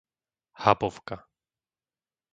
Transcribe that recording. Habovka